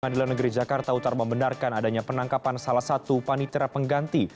pengadilan negeri jakarta utara membenarkan adanya penangkapan salah satu panitera pengganti